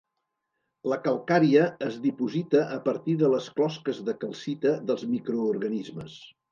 La calcària es diposita a partir de les closques de calcita dels microorganismes.